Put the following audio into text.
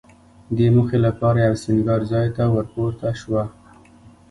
دې موخې لپاره یوه سینګار ځای ته ورپورته شوه.